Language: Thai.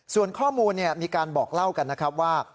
ส่วนข้อมูลมีการบอกเล่ากันนะครับว่า